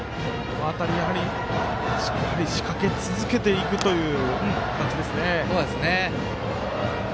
しっかり仕掛け続けていくという感じですね。